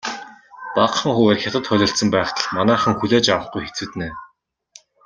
Багахан хувиар Хятад холилдсон байхад л манайхан хүлээж авахгүй хэцүүднэ.